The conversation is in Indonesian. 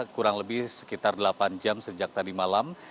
kurang lebih sekitar delapan jam sejak tadi malam